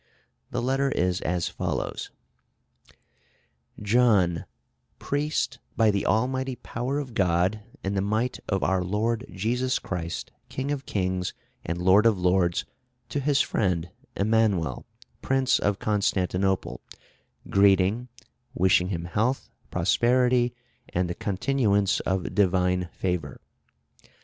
The letter is as follows: "John, Priest by the Almighty power of God and the Might of our Lord Jesus Christ, King of Kings, and Lord of Lords, to his friend Emanuel, Prince of Constantinople, greeting, wishing him health, prosperity, and the continuance of Divine favor.